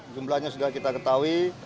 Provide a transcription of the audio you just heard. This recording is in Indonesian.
jumlahnya sudah kita ketahui